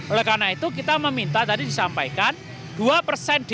oleh karena itu kita meminta tadi disampaikan dua persen da